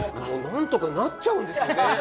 なんとかなっちゃうんですよね